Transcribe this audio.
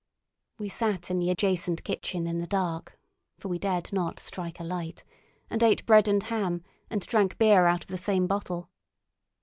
We sat in the adjacent kitchen in the dark—for we dared not strike a light—and ate bread and ham, and drank beer out of the same bottle.